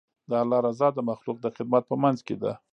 د الله رضا د مخلوق د خدمت په منځ کې ده.